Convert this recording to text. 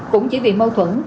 cũng chỉ vì mâu thuẫn